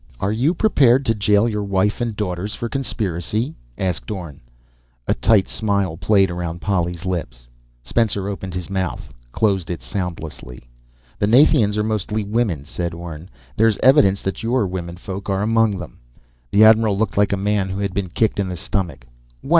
"Are you prepared to jail your wife and daughters for conspiracy?" asked Orne. A tight smile played around Polly's lips. Spencer opened his mouth, closed it soundlessly. "The Nathians are mostly women," said Orne. "There's evidence that your womenfolk are among them." The admiral looked like a man who had been kicked in the stomach. "What